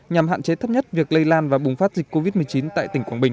nhằm hạn chế thấp nhất việc lây lan và bùng phát dịch covid một mươi chín tại tỉnh quảng bình